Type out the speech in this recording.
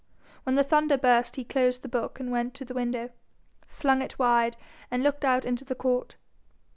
When the thunder burst he closed the book and went to the window, flung it wide, and looked out into the court.